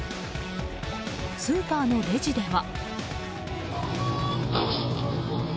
スーパーのレジでは。